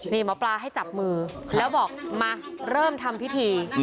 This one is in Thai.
นี่หมอปลาให้จับมือแล้วบอกมาเริ่มทำพิธี